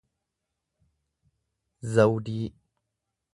zawdii